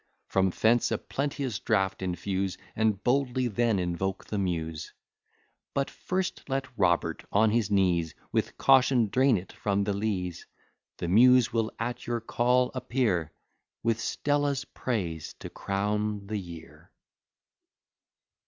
From thence a plenteous draught infuse, And boldly then invoke the Muse; But first let Robert on his knees With caution drain it from the lees; The Muse will at your call appear, With Stella's praise to crown the year.